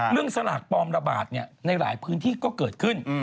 สลากปลอมระบาดในหลายพื้นที่ก็เกิดขึ้น